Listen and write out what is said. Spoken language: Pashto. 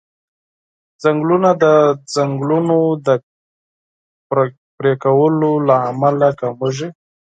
ځنګلونه د ځنګلونو د قطع کولو له امله کميږي.